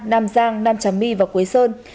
nam giang nam trà my và quế sơn